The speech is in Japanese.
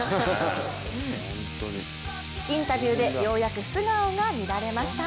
インタビューでようやく素顔が見られました。